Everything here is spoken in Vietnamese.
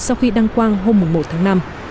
sau khi đăng quang hôm một tháng năm